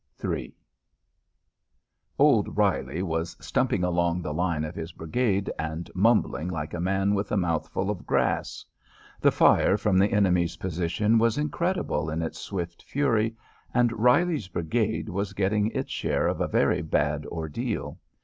III Old Reilly was stumping along the line of his brigade and mumbling like a man with a mouthful of grass. The fire from the enemy's position was incredible in its swift fury, and Reilly's brigade was getting its share of a very bad ordeal.